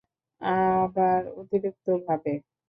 আবার অতিরিক্ত ভাবে।